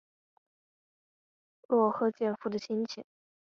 落合建夫的亲戚。